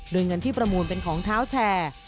โดยเงินที่ประมูลเป็นของเท้าแชร์